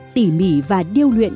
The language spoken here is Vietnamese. tỉ mỉ và điêu luyện